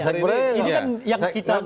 ini kan yang kita